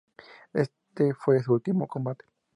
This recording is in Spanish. Este fue su último combate.